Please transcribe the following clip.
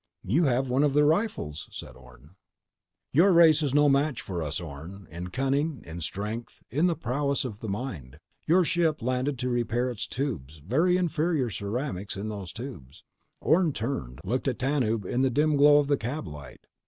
"You have one of their rifles," said Orne. "Your race is no match for us, Orne ... in cunning, in strength, in the prowess of the mind. Your ship landed to repair its tubes. Very inferior ceramics in those tubes." Orne turned, looked at Tanub in the dim glow of the cab light.